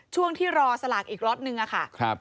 ช่วงที่รอสลากอีกล็อตนึงอะค่ะ